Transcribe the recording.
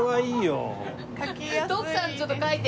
徳さんちょっと描いて。